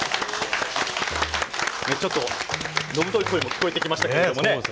ちょっと野太い声も聞こえてきましたけれどもね。